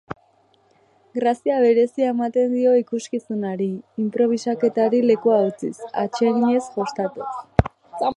Grazia berezia ematen dio ikuskizunari, inprobisaketari lekua utziz, atseginez jostatuz.